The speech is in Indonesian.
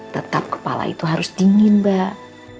tetap kepala itu harus dingin mbak